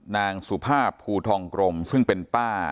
นางสุภาพภูทองกรมซึ่งเป็นป้า